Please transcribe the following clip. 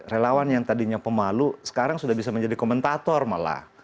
relawan yang tadinya pemalu sekarang sudah bisa menjadi komentator malah